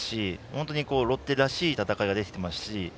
本当にロッテらしい戦いができています。